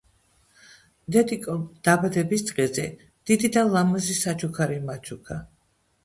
დედიკომ დაბადების დღეზე დიდი და ლამაზი საჩუქარი მაჩუქა